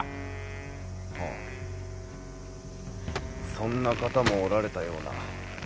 そんな方もおられたような。